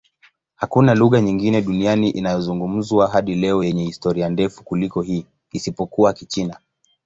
Hakuna lugha nyingine duniani inayozungumzwa hadi leo yenye historia ndefu kuliko hii, isipokuwa Kichina.